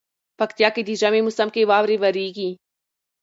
پکتيا کي دي ژمي موسم کي واوري وريږي